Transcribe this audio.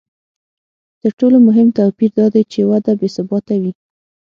تر ټولو مهم توپیر دا دی چې وده بې ثباته وي